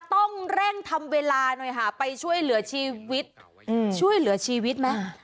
ต้องแร่งทำเวลาหน่อยค่ะไปช่วยเหลือชีวิต